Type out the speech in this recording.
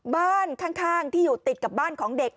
บ้านข้างที่อยู่ติดกับบ้านของเด็ก